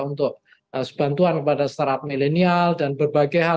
untuk bantuan kepada startup milenial dan berbagai hal